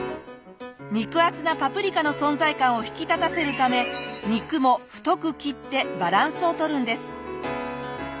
肉厚なパプリカの存在感を引き立たせるため肉も太く切ってバランスを取るんです。